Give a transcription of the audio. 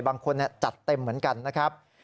บางคนจัดเต็มเหมือนกันนะครับ